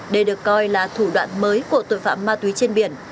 đây được coi là thủ đoạn mới của tội phạm ma túy trên biển